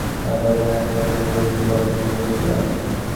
দাদার open heart surgery হয়েছিলো গত দুই বছর আগে।